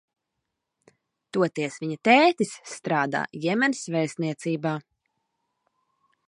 Toties viņa tētis strādā Jemenas vēstniecībā.